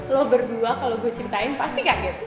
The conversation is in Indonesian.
lo berdua kalau gue ceritain pasti kaget